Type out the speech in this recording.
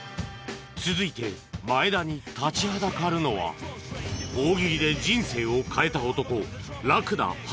続いて前田に立ちはだかるのは大喜利で人生を変えた男